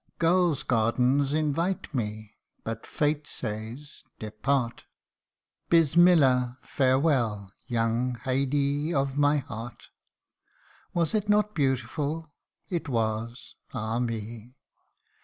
Gul's gardens invite me, but Fate says, depart, Bismillah ! farewell, young Haidee of my heart !" Was it not beautiful ? it was ah, me